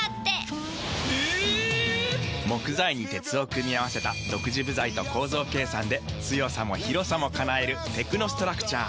木材に鉄を組み合わせた独自部材と構造計算で強さも広さも叶えるテクノストラクチャー。